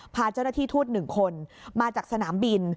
พาเจ้าหน้าที่ทูต๑คนมาจากสนามบิน